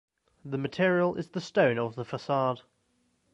The material is the stone of the facade.